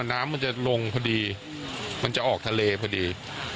น้ำมันจะลงพอดีมันจะออกทะเลพอดี